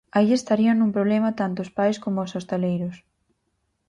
Aí estarían nun problema tanto os pais coma os hostaleiros.